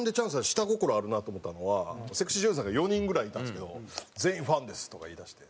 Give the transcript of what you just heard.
下心あるなと思ったのはセクシー女優さんが４人ぐらいいたんですけど「全員ファンです」とか言いだして。